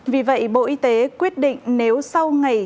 vì vậy bộ y tế quyết định nếu sau ngày